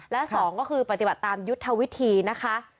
และ๒ก็คือปฏิบัติตามยุทธวิธีนะคะ